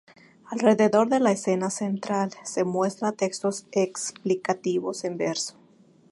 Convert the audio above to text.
Alrededor de la escena central se muestra textos explicativos en verso.